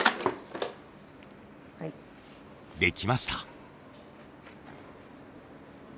できました。